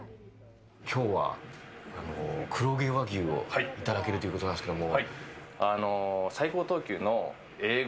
今日は黒毛和牛をいただけるということなんですけど。